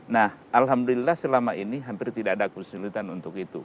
nah alhamdulillah selama ini hampir tidak ada kesulitan untuk itu